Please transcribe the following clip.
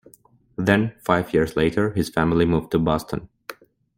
Then, five years later, his family moved to Boston.